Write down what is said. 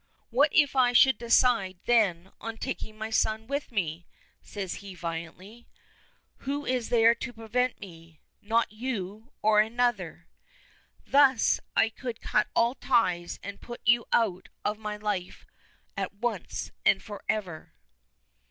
"What if I should decide, then, on taking my son with me?" says he violently. "Who is there to prevent me? Not you, or another. Thus I could cut all ties and put you out of my life at once and forever!"